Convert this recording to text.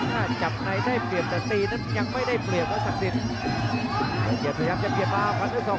น่าจะจากในได้เปลี่ยนแต่ตีน่ะยังไม่ได้เปลี่ยน